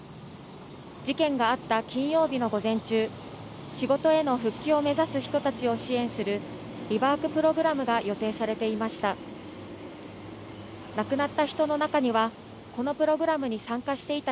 事件があった金曜日の午前中、仕事への復帰を目指す人たちを支援する、リワークプログラムが予定されていました。